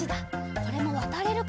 これもわたれるかな？